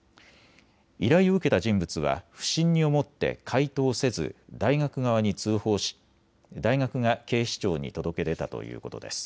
依頼を受けた人物は不審に思って解答せず大学側に通報し大学が警視庁に届け出たということです。